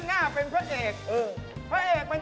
ห่านึกัน